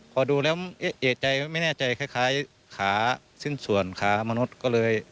พอดูแล้วเอกใจไม่แน่ใจคล้ายขาสิ้นส่วนขามนุษย์ก็เลย